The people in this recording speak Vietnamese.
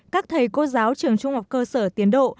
các thầy cô giáo trường trung học cơ sở tiến độ